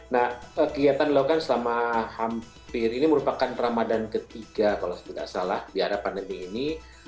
nah kegiatan dilakukan selama hampir ini merupakan ramadan ketiga kalau tidak salah di arah pandemi ini